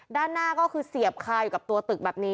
ด้านหน้าก็คือเสียบคาอยู่กับตัวตึกแบบนี้